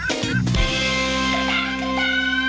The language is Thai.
เพิ่มเวลา